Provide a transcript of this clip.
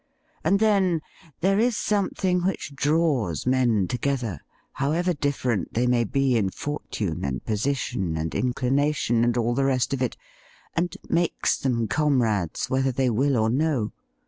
And then there is something which draws men together however different they may be in fortune and position and inclina tions, and all the rest of it, and makes them comrades whether they will or no.